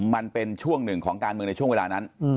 มันเป็นช่วงหนึ่งของการเมืองในช่วงเวลานั้น